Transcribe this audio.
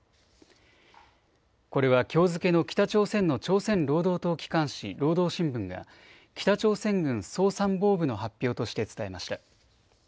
これはきょう付けの北朝鮮の朝鮮労働党機関紙、労働新聞が北朝鮮軍総参謀部の発表として伝えました。